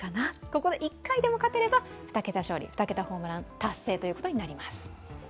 ここで１回でも勝てれば２桁勝利・２桁ホームラン達成できます。